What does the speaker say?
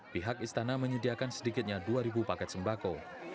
pihak istana menyediakan sedikitnya dua paket sembako